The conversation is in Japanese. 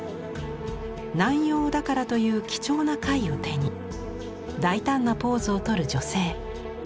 ナンヨウダカラという貴重な貝を手に大胆なポーズをとる女性。